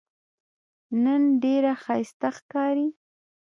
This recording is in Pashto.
نن ډېره ښایسته ښکارې